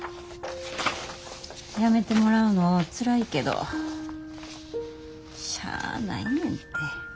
辞めてもらうのつらいけどしゃあないねんて。